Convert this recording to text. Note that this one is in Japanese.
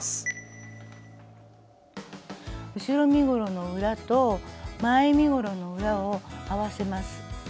後ろ身ごろの裏と前身ごろの裏を合わせます。